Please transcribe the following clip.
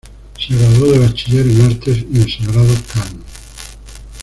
Se graduó de bachiller en Artes y en Sagrados Cánones.